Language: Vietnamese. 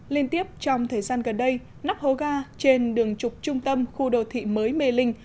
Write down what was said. liên tiếp trong thời gian gần đây nắp hố ga trên đường trục trung tâm khu đô thị mới mê linh